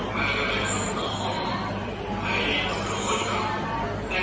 ที่จะรักษาทุกท่าน